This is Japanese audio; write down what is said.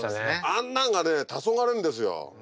あんなんがねたそがれるんですよ。